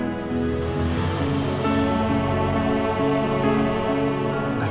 ini kesukaannya rena